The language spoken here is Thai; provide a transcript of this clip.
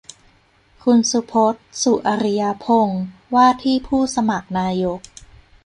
คุณสุพจน์ สุอริยพงษ์ ว่าที่ผู้สมัครนายก